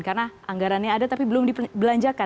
karena anggarannya ada tapi belum dibelanjakan